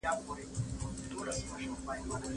څنګه کولای سو په کوچنیو څیزونو کي خوښي پیدا کړو؟